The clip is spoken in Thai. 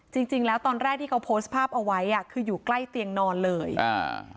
จริงจริงแล้วตอนแรกที่เขาโพสต์ภาพเอาไว้อ่ะคืออยู่ใกล้เตียงนอนเลยอ่า